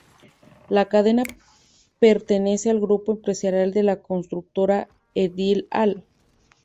La cadena pertenece al grupo empresarial de la constructora Edil-Al.